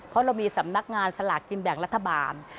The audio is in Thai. เพราะเรามีสำนักงานสลากกินแบ่งรัฐบาล